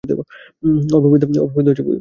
অল্পবিদ্যা ভয়ংকরী।